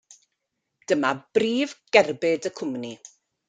Dyma brif gerbyd y cwmni.